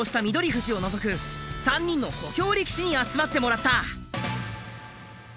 富士を除く３人の小兵力士に集まってもらった。